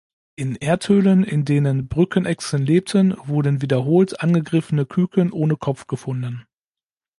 In Erdhöhlen, in denen Brückenechsen lebten, wurden wiederholt angegriffene Küken ohne Kopf gefunden.